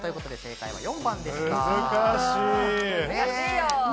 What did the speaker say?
正解は４番でした。